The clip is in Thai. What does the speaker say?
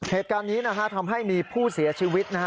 เหตุการณ์นี้ทำให้มีผู้เสียชีวิต